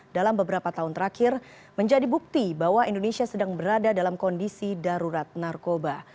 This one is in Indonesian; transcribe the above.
dalam beberapa tahun terakhir menjadi bukti bahwa indonesia sedang berada dalam kondisi darurat narkoba